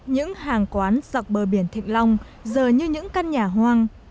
những hàng quán dọc bờ biển thịnh long giờ như những căn nhà hoang